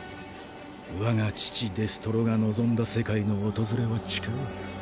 我が父デストロが望んだ世界の訪れは近い。